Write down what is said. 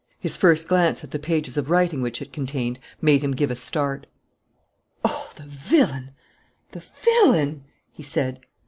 His first glance at the pages of writing which it contained made him give a start. "Oh, the villain, the villain!" he said.